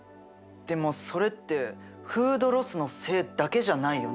でもそれってフードロスのせいだけじゃないよね多分。